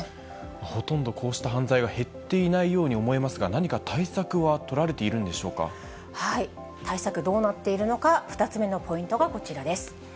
ほとんどこうした犯罪が減っていないように思いますが、何か対策は取られているんでしょ対策、どうなっているのか、２つ目のポイントがこちらです。